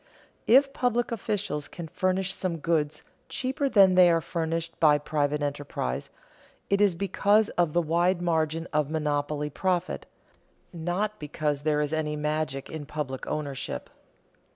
If public officials can furnish some goods cheaper than they are furnished by private enterprise, it is because of the wide margin of monopoly profit, not because there is any magic in public ownership.